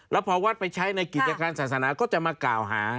แล้วพอวัดไปใช้ในกิจการศาสนาก็จะมากล่าวหา